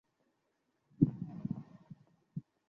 Manimaran, please, আমায় ছেড়ে দাও।